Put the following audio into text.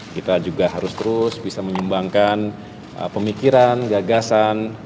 kita juga harus terus bisa menyumbangkan pemikiran gagasan